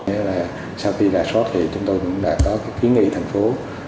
khi rà suất thì chúng tôi cũng đã có ký nghị thành phố